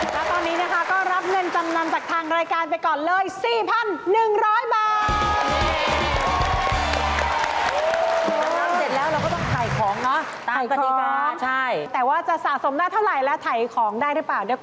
แล้วตอนนี้นะคะก็รับเงินจำนำจากทางรายการไปก่อนเลย๔๑๐๐บาท